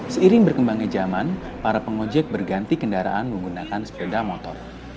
seiring berkembangnya zaman para pengojek berganti kendaraan menggunakan sepeda motor